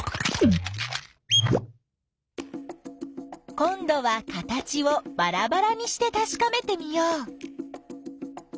こんどは形をばらばらにしてたしかめてみよう。